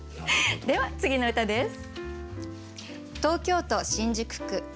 では次の歌です。